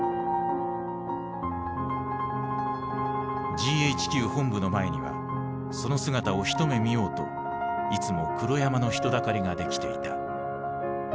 ＧＨＱ本部の前にはその姿を一目見ようといつも黒山の人だかりができていた。